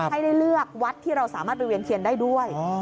ให้ได้เลือกวัดที่เราสามารถไปเวียนเทียนได้ด้วย